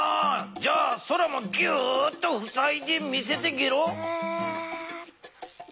じゃあそらもギューッとふさいで見せてゲロ。